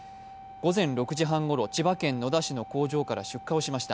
午前６時半ごろ、千葉県野田市の工場から出火をしました。